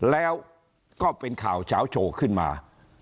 แล้วก็เป็นข่าวเฉาโชว์ขึ้นมา